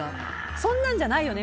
そんなんじゃないよね。